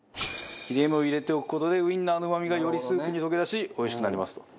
切れ目を入れておく事でウインナーのうまみがよりスープに溶け出しおいしくなりますと。